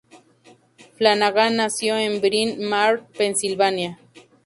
Flanagan nació en Bryn Mawr, Pensilvania.